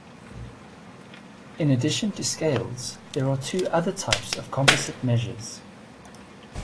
In addition to scales, there are two other types of composite measures.